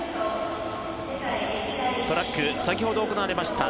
トラック、先ほど行われました